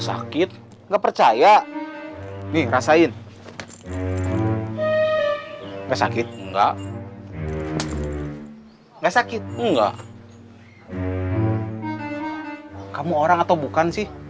sang darman dia nyari bos bumbun